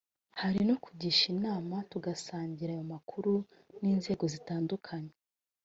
hari no kugisha inama tugasangira ayo makuru n’inzego zidukuriye